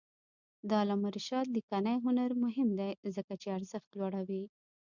د علامه رشاد لیکنی هنر مهم دی ځکه چې ارزښت لوړوي.